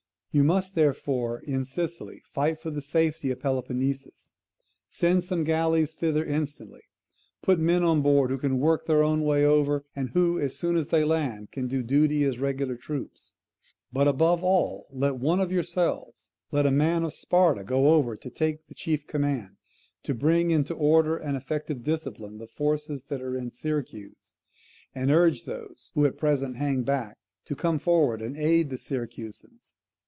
You must, therefore, in Sicily fight for the safety of Peloponnesus. Send some galleys thither instantly. Put men on board who can work their own way over, and who, as soon as they land, can do duty as regular troops. But above all, let one of yourselves, let a man of Sparta, go over to take the chief command, to bring into order and effective discipline the forces that are in Syracuse, and urge those, who at present hang back to come forward and aid the Syracusans.